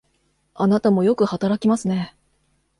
あなたもよく働きますね。